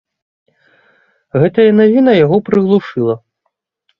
Гэтая навіна яго прыглушыла.